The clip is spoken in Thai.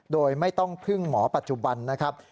โดยไม่ต้องพึ่งหมอปัจจุบันนะครับ